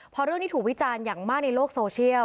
พอเรื่องนี้ถูกวิจารณ์อย่างมากในโลกโซเชียล